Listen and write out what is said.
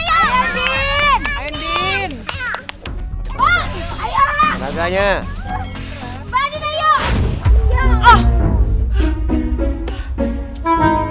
ada dua lagi mbak